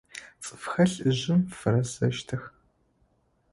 Цӏыфхэр лӏыжъым фэрэзэщтых.